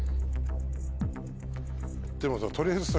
でもさ取りあえずさ。